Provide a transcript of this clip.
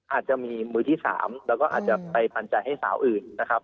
อาจจะมีมือที่๓แล้วก็อาจจะไปปันใจให้สาวอื่นนะครับ